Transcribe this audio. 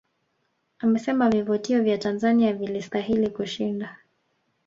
Amesema vivutio vya Tanzania vilistahili kushinda